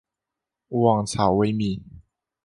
勿忘草微米。